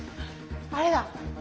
あれだ。